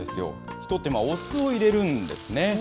ひと手間、お酢を入れるんですね。